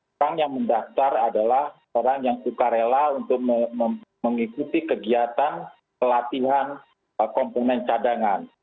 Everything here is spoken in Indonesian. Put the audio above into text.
orang yang mendaktar adalah orang yang sukarela untuk mengikuti kegiatan pelatihan komponen cadangan